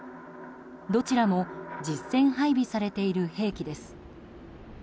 どちらも実戦配備されている兵器です。